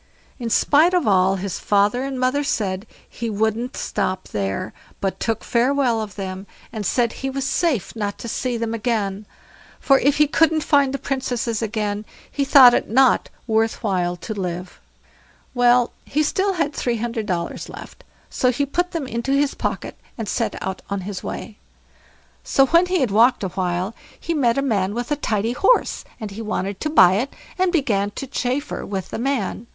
In spite of all his father and mother said, he wouldn't stop there, but took farewell of them, and said he was safe not to see them again; for if he couldn't find the Princesses again, he thought it not worth while to live. Well, he had still three hundred dollars left, so he put them into his pocket, and set out on his way. So, when he had walked a while, he met a man with a tidy horse, and he wanted to buy it, and began to chaffer with the man.